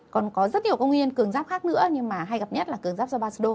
còn có rất nhiều công nguyên cường giáp khác nữa nhưng mà hay gặp nhất là cường giáp do basdo